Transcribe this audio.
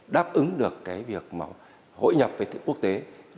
đáp ứng được việc hội nhập với thế quốc tế